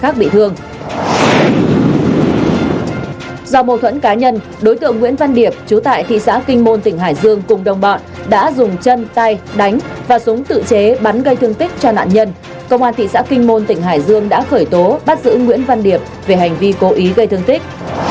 công an thị xã kinh môn tỉnh hải dương đã khởi tố bắt giữ nguyễn văn điệp về hành vi cố ý gây thương tích